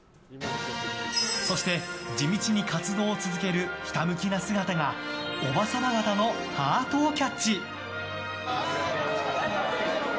そして、地道に活動を続けるひたむきな姿がおばさま方のハートをキャッチ。